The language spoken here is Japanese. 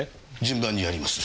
順番にやります。